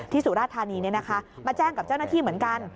สุราธานีมาแจ้งกับเจ้าหน้าที่เหมือนกัน